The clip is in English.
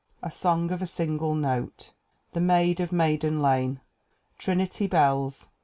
A Song of a Single Note. The Maid of Maiden Lane. Trinity Bells.